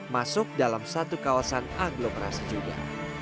masuk dalam satu kawasan aglomerasi juga